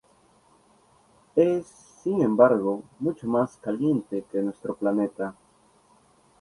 Es, sin embargo, mucho más caliente que nuestro planeta.